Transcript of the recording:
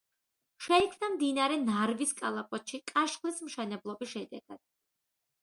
შეიქმნა მდინარე ნარვის კალაპოტში კაშხლის მშენებლობის შედეგად.